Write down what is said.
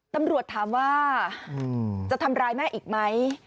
ตำรวจถามว่าจะทำร้ายแม่อีกไหม